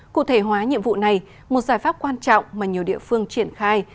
cụ thể hóa nhiệm vụ này một giải pháp quan trọng mà nhiều địa phương triển khai